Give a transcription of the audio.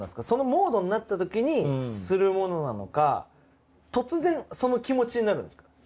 そのモードになった時にするものなのか突然その気持ちになるんですか？